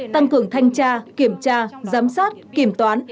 tăng cường thanh tra kiểm tra giám sát kiểm toán